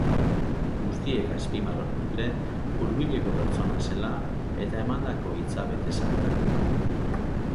Guztiek azpimarratu dute hurbileko pertsona zela eta emandako hitza bete zalea.